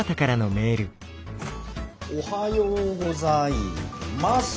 おはようございます。